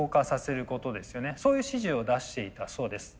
そういう指示を出していたそうです。